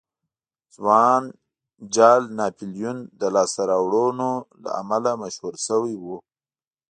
ځوان جال ناپلیون د لاسته راوړنو له امله مشهور شوی و.